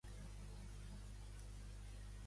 Qui són, juntament amb Mama Cocha, les Mares elementals?